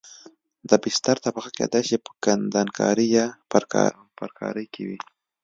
د بستر طبقه کېدای شي په کندنکارۍ یا پرکارۍ کې وي